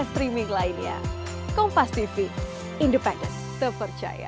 streaming lainnya kompas tv independen terpercaya